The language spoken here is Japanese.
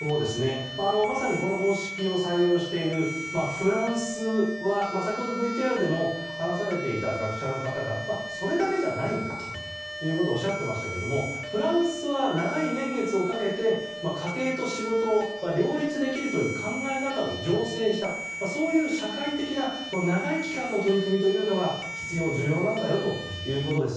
まさにこの方式を採用しているフランスは先ほどＶＴＲでも話されていた学者の方がそれだけじゃないんだとおっしゃっていましたがフランスは長い年月をかけて家庭と仕事を両立できるという考え方を醸成したそういう社会的な長い期間の取り組みが重要なんだよということです。